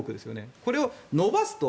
これを延ばすと。